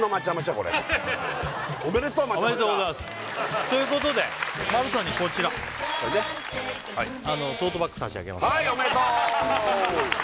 もう本当におめでとうございます！ということでまるさんにこちらトートバッグ差し上げますおめでとう！